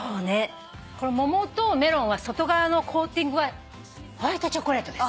これ桃とメロンは外側のコーティングはホワイトチョコレートです。